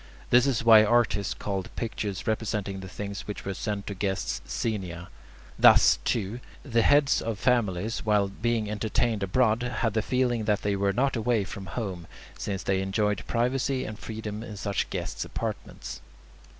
This is why artists called pictures representing the things which were sent to guests "xenia." Thus, too, the heads of families, while being entertained abroad, had the feeling that they were not away from home, since they enjoyed privacy and freedom in such guests' apartments.